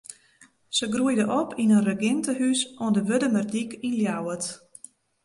Se groeide op yn in regintehûs oan de Wurdumerdyk yn Ljouwert.